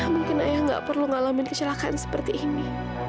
mungkin ayah gak perlu ngalamin kesilakan seperti ini